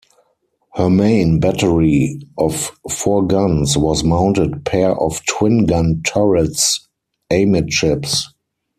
Her main battery of four guns was mounted pair of twin gun turrets amidships.